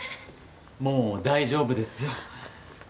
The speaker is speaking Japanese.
もう大丈夫ですよ。